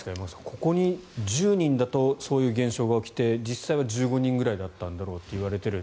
ここに１０人だとそういう現象が起きて、実際は１５人くらいだったんだろうといわれている。